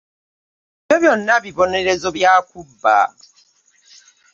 Ebyo byonna bibonerezo bya kubba?